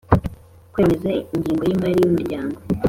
Kwemeza Ingengo Y Imari Y Umuryango